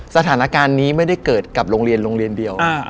สถานการณ์นี้ไม่ได้เกิดกับโรงเรียนเดียว